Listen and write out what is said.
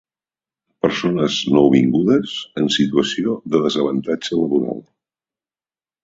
Persones nouvingudes en situació de desavantatge laboral.